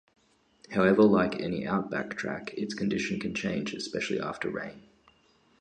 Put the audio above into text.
However like any outback track, its condition can change, especially after rain.